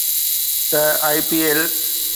ته IPL